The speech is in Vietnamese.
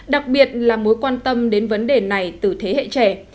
đặc biệt là mối quan tâm đến vấn đề này từ thế hệ trẻ